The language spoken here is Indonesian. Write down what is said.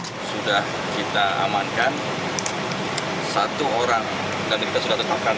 sudah kita amankan satu orang tapi kita sudah tepakan